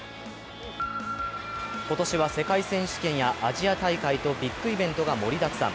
今年は世界選手権やアジア大会とビッグイベントが盛りだくさん。